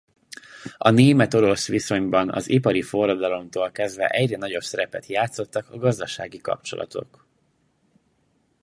A német–orosz viszonyban az ipari forradalomtól kezdve egyre nagyobb szerepet játszottak a gazdasági kapcsolatok.